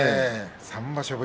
３場所ぶり。